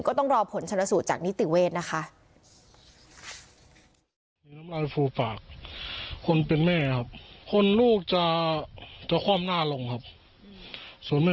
ก็ต้องรอผลชนสูตรจากนิติเวทนะคะ